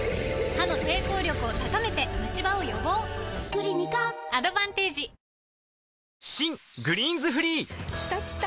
クリニカアドバンテージ新「グリーンズフリー」きたきた！